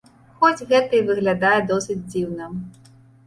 Хоць гэта і выглядае досыць дзіўна.